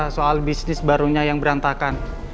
soal bisnis barunya yang berantakan